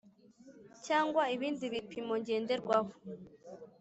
cyangwa ibindi bipimo ngenderwaho;